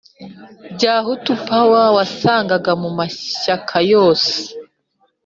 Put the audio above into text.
bya Hutu Power wasangaga mu mashyaka yose